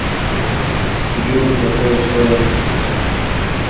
نوم یې پروت پر څلورکونجه نومیالی پکښی پیدا کړي ,